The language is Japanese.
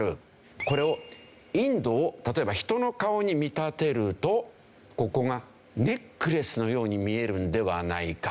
これをインドを例えば人の顔に見立てるとここがネックレスのように見えるのではないか。